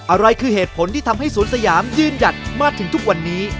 อะไรคือเหตุผลที่ทำให้สวนสยามยืนหยัดมาถึงทุกวันนี้